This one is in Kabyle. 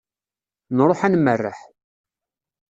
Nruḥ ad nmerreḥ.